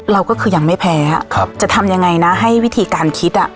เราก็คือยังไม่แพ้จะทำยังไงนะให้วิธีการคิดอ่ะ